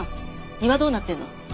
庭どうなってるの？